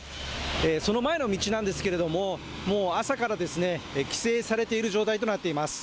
その前の道なんですけれどももう朝から規制されている状態となっています